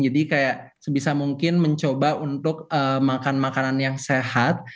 jadi kayak sebisa mungkin mencoba untuk makan makanan yang sehat